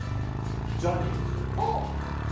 ジャニーズ。